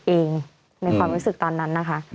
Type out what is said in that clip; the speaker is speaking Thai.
เองในความรู้สึกตอนนั้นนะคะ